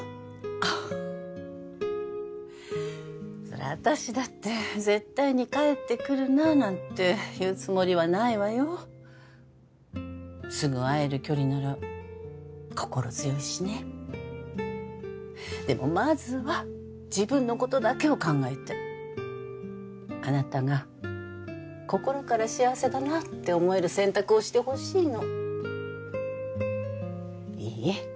あっそれは私だって「絶対に帰ってくるな」なんて言うつもりはないわよすぐ会える距離なら心強いしねでもまずは自分のことだけを考えてあなたが心から「幸せだなあ」って思える選択をしてほしいのいい？